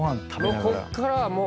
こっからはもう。